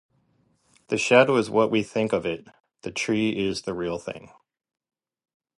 The shadow is what we think of it; the tree is the real thing.